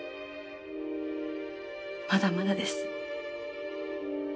まだまだです。